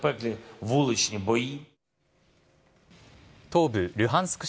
東部ルハンスク